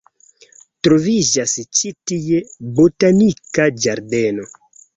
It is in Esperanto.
Troviĝas ĉi tie botanika ĝardeno.